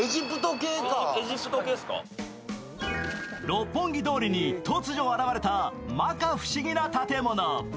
六本木通りに突如現れたまか不思議な建物。